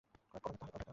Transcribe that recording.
করা যাক তাহলে।